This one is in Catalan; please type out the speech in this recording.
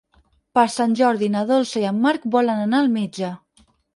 Per Sant Jordi na Dolça i en Marc volen anar al metge.